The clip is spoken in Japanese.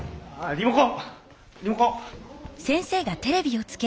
リモコン。